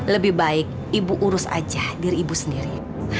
lebih baik ibu urus aja diri ibu sendiri